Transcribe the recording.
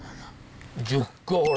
１０個ほら！